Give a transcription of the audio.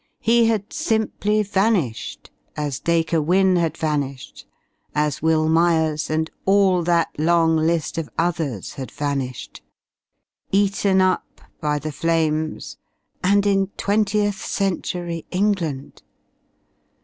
He had simply vanished as Dacre Wynne had vanished, as Will Myers and all that long list of others had vanished. Eaten up by the flames and in Twentieth Century England!